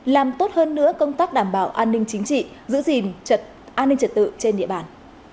làm tốt hơn nữa công tác đảm bảo an ninh chính trị giữ gìn an ninh trật tự trên địa bàn